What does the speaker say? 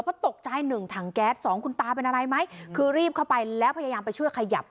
ก็ตกใจหนึ่งถังแก๊สสองคุณตาเป็นอะไรไหมคือรีบเข้าไปแล้วพยายามไปช่วยขยับ